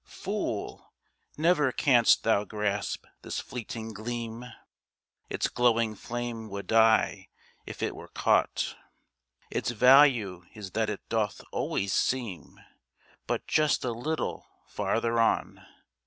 Fool! Never can'st thou grasp this fleeting gleam, Its glowing flame would die if it were caught, Its value is that it doth always seem But just a little farther on.